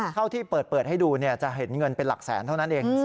ที่เปิดให้ดูจะเห็นเงินเป็นหลักแสนเท่านั้นเอง